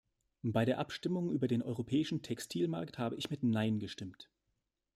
Bei der Abstimmung über den europäischen Textilmarkt habe ich mit Nein gestimmt.